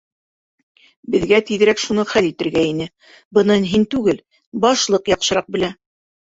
Беҙгә тиҙерәк шуны хәл итергә ине, быныһын һин түгел, башлыҡ яҡшыраҡ белә.